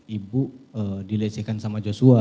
ibu dilecehkan sama joshua